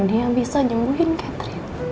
dia bisa nyembuhin catherine